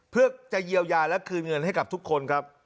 เพื่อจะเยียวยาและคืนเงินให้กับทุกคนครับ